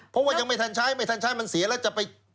เพราะว่ายังไม่ทันใช้ไม่ทันใช้มันเสียแล้วจะไป